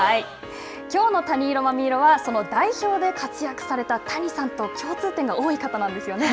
きょうのたに色まみ色はその代表で活躍された谷さんと共通点が多い方なんですよね。